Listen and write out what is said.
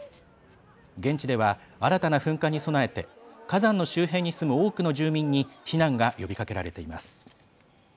現地では、新たな噴火に備えて火山の周辺に住む多くの住民に避難が呼びかけられています。